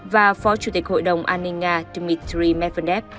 và phó chủ tịch hội đồng an ninh nga dmitry medvedev